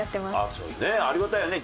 ありがたいよね